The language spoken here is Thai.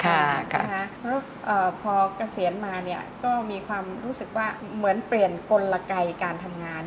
แล้วพอเกษียณมาเนี่ยก็มีความรู้สึกว่าเหมือนเปลี่ยนกลไกการทำงาน